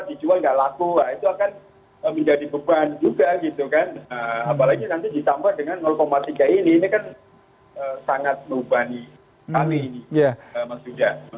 ini kan sangat berubah nih kali ini mas widja